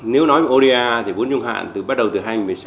nếu nói về oda thì vốn trung hạn bắt đầu từ hai nghìn một mươi sáu